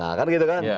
nah kan gitu kan